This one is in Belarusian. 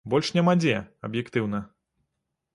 Больш няма дзе, аб'ектыўна.